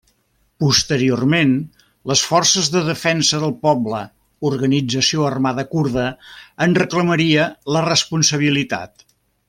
Posteriorment, les Forces de Defensa del Poble, organització armada kurda, en reclamaria la responsabilitat.